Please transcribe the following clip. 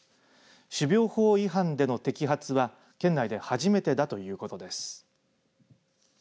種苗法違反での摘発は県内で初めてだということです。